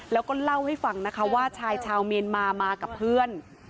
แล้วก็เล่าให้ฟังนะคะว่าชายชาวเมียนมามากับเพื่อน